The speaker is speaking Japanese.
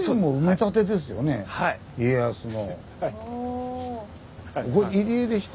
家康の。